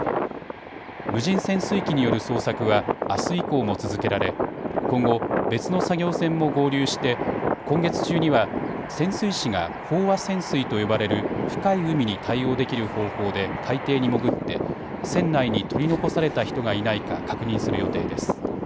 無人潜水機による捜索はあす以降も続けられ今後、別の作業船も合流して今月中には潜水士が飽和潜水と呼ばれる深い海に対応できる方法で海底に潜って船内に取り残された人がいないか確認する予定です。